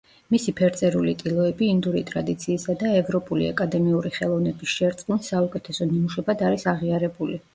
მისი ფერწერული ტილოები ინდური ტრადიციისა და ევროპული აკადემიური ხელოვნების შერწყმის საუკეთესო ნიმუშებად არის აღიარებული.